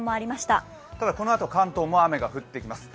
ただ、このあと関東も雨が降ってきます。